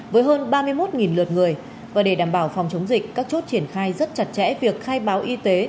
với hơn ba mươi một lượt người và để đảm bảo phòng chống dịch các chốt triển khai rất chặt chẽ việc khai báo y tế